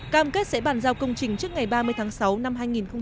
cam kết sẽ bàn giao công trình trước ngày ba mươi tháng sáu năm hai nghìn hai mươi